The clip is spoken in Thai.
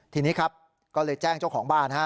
ทีนี้ครับก็เลยแจ้งเจ้าของบ้านฮะ